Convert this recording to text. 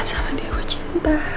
aku sangat mencintai dia